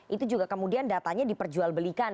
itu juga kemudian datanya diperjualbelikan